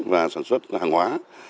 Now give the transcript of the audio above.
và sản xuất hàng hóa